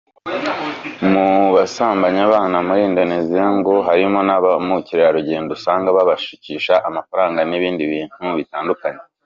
Mu basambanya abana muri Indonesia ngo harimo na ba mukerarugendo usanga babashukisha amafaranga n’ibindi bintu bitandukanye